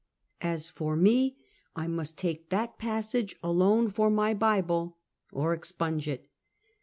As for me, I must take that passage alone for my Bible, or expunge it.